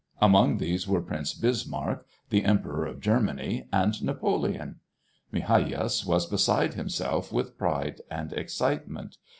Among these were Prince Bismarck, the Emperor of Germany, and Napoleon. Migajas was beside himself with pride and excitement.